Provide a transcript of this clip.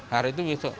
hari itu besok